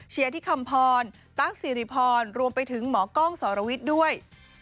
เชียร์ที่คำพรตั๊กศิริพรรวมไปถึงหมอกล้องสรวิตด้วย